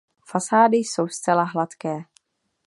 Fasády jsou zcela hladké.